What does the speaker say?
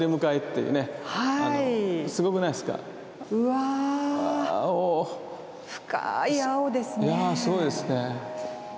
いやぁすごいですね。